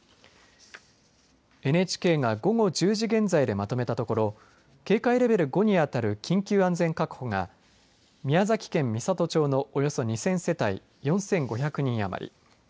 ＮＨＫが、午後１０時現在でまとめたところ警戒レベル５に当たる緊急安全確保が宮崎県美郷町のおよそ２０００世帯４５００人余り。